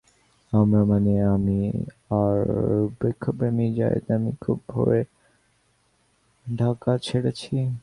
আমরা মানে আমি আর বৃক্ষপ্রেমী যায়েদ আমীন খুব ভোরে ঢাকা ছেড়েছি।